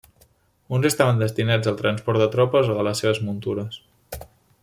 Uns estaven destinats al transport de tropes o de les seves muntures.